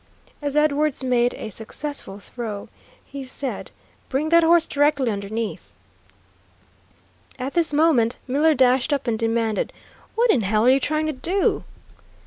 As Edwards made a successful throw, he said, "Bring that horse directly underneath." At this moment Miller dashed up and demanded, "What in hell are you trying to do?"